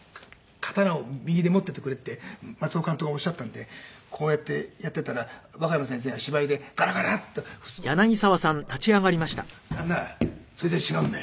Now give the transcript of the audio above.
刀を右で持っていてくれって松尾監督がおっしゃったんでこうやってやっていたら若山先生が芝居でガラガラっとふすまを開けて若山先生が「旦那そいつは違うんだ。